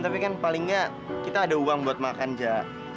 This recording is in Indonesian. tapi kan paling nggak kita ada uang buat makan jak